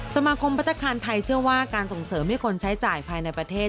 สมาคมพัฒนาคารไทยเชื่อว่าการส่งเสริมให้คนใช้จ่ายภายในประเทศ